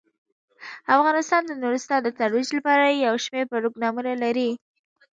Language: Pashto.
افغانستان د نورستان د ترویج لپاره یو شمیر پروګرامونه لري.